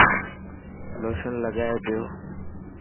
لوشن لگائي پيو.